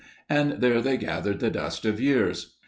And there they gathered the dust of years.